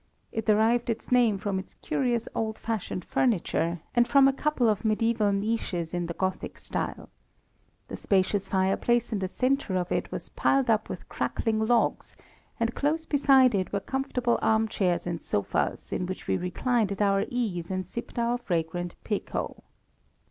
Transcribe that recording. It derived its name from its curious old fashioned furniture, and from a couple of mediæval niches in the Gothic style. The spacious fireplace in the centre of it was piled up with crackling logs, and close beside it were comfortable armchairs and sofas, in which we reclined at our ease and sipped our fragrant Pekoe.